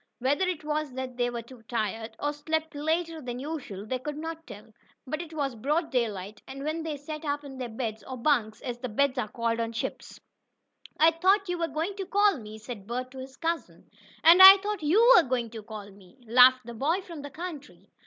Whether it was that they were too tired, or slept later than usual, they could not tell. But it was broad daylight, when they sat up in their beds, or "bunks," as beds are called on ships. "I thought you were going to call me," said Bert to his cousin. "And I thought you were going to call ME," laughed the boy from the country.